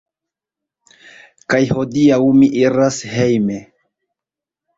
Kaj hodiaŭ mi iras hejme